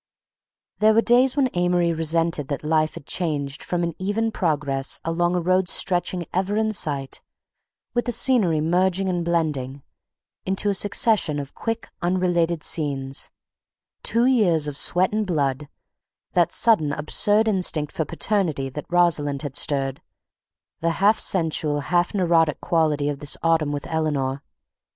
There were days when Amory resented that life had changed from an even progress along a road stretching ever in sight, with the scenery merging and blending, into a succession of quick, unrelated scenes—two years of sweat and blood, that sudden absurd instinct for paternity that Rosalind had stirred; the half sensual, half neurotic quality of this autumn with Eleanor.